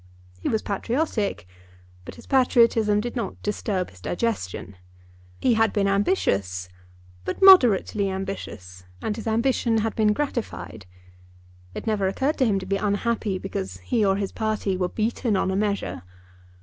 He was patriotic, but his patriotism did not disturb his digestion. He had been ambitious, but moderately ambitious, and his ambition had been gratified. It never occurred to him to be unhappy because he or his party were beaten on a measure.